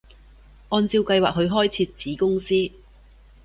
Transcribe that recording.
按照計劃去開設子公司